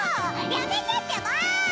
やめてってば！